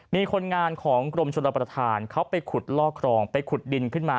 มีคนงานของกรมชนประธานเขาไปขุดลอกครองไปขุดดินขึ้นมา